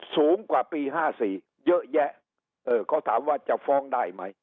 สูงกว่าปี๕๔เยอะแยะเออเขาถามว่าจะฟ้องได้ไหม